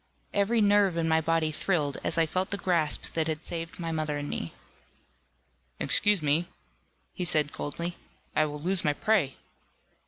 Every nerve in my body thrilled, as I felt the grasp that had saved my mother and me. "Excuse me," he said coldly, "I will lose my prey."